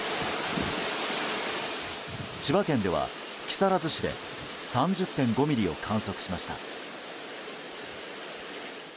千葉県では木更津市で３０．５ミリを観測しました。